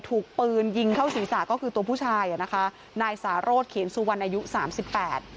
ถูกปืนยิงเข้าศีรษะก็คือตัวผู้ชายอ่ะนะคะนายสารสเขนสุวรรณอายุสามสิบแปด